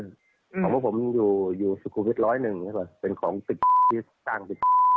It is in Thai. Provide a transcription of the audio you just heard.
ของพวกผมอยู่สุโควิด๑๐๑เป็นของติดที่สร้างติด